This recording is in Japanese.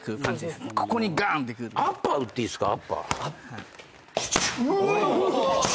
アッパー打っていいっすか？